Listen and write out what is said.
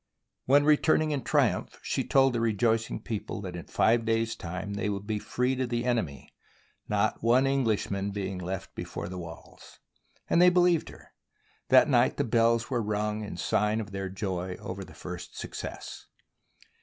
THE BOOK OF FAMOUS SIEGES When returning in triumph she told the rejoic ing people that in five days' time they would be freed of the enemy, not one Englishman being left before the walls ; and they believed her. That night the bells were rung in sign of their joy over the first success.